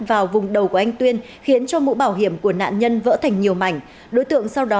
vào vùng đầu của anh tuyên khiến cho mũ bảo hiểm của nạn nhân vỡ thành nhiều mảnh đối tượng sau đó